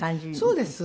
そうです。